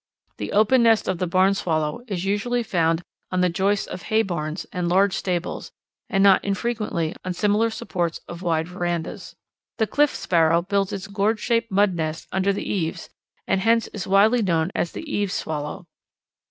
The open nest of the Barn Swallow is usually found on the joists of hay barns and large stables and not infrequently on similar supports of wide verandas. The Cliff Swallow builds its gourd shaped mud nest under the eaves and hence is widely known as the Eaves Swallow.